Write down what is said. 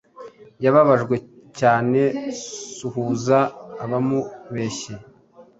Yababajwe cyaneasuhuza abamubeshya